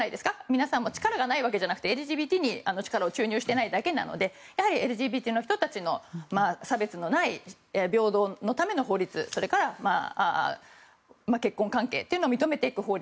皆さんも力がないわけじゃなくてＬＧＢＴに力を注入していないだけなのでやはりＬＧＢＴの人たちの差別のない平等のための法律それから、結婚関係というのを認めていく法律。